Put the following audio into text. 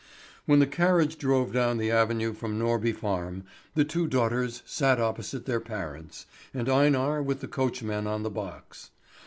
When the carriage drove down the avenue from Norby Farm, the two daughters sat opposite their parents, and Einar with the coachman on the box.